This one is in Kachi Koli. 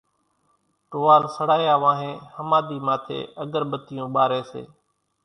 ٽوئال سڙايا وانھين ۿماۮي ماٿي اڳر ٻتيون ٻاري سي